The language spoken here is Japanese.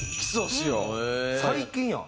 最近やん。